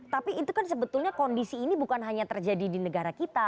tapi itu kan sebetulnya kondisi ini bukan hanya terjadi di negara kita